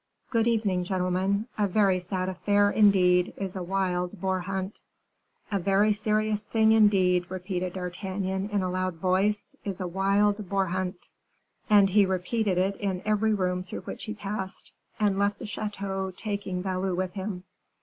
Good evening, gentlemen; a very sad affair, indeed, is a wild boar hunt!" "A very serious thing, indeed," repeated D'Artagnan, in a loud voice, "is a wild boar hunt!" and he repeated it in every room through which he passed; and left the chateau, taking Valot with him.